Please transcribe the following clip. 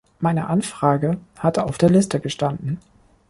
Meine Anfrage hatte auf der Liste gestanden.